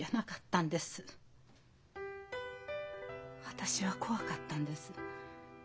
私は怖かったんです。